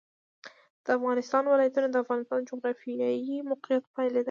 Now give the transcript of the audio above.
د افغانستان ولايتونه د افغانستان د جغرافیایي موقیعت پایله ده.